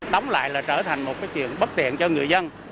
đóng lại là trở thành một cái chuyện bất tiện cho người dân